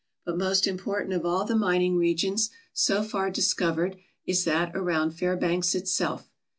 But most important of all the mining regions so far discovered is that around Fairbanks itself.